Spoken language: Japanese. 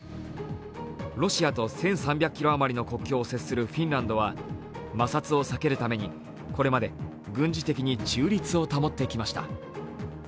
ロシアと１３００ｋｍ余りの国境を接するフィンランドは、摩擦を避けるためにこれまで軍事的に中立を保ってきました。